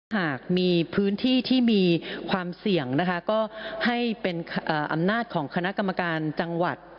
หากมีพื้นที่ที่มีความเสี่ยงนะคะก็ให้เป็นอำนาจของคณะกรรมการจังหวัด